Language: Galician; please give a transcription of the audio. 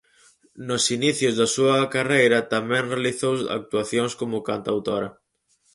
Nos inicios da súa carreira tamén realizou actuacións como cantautora.